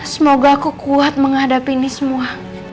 semoga aku kuat menghadapi ini semua